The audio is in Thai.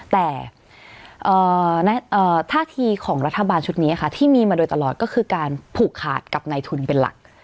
แต่ท่าทีของรัฐบาลชุดนี้ค่ะที่มีมาโดยตลอดก็คือการผูกขาดกับในทุนเป็นหลัก